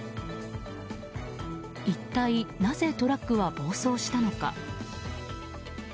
一体なぜトラックは暴走したのか。